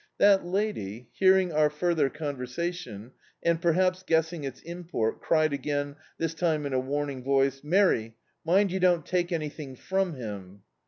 That lady, hearing our further conversation, and perhaps, guessing its im port, cried again, this time in a warning voice — "Mary, mind you don't take anything from him."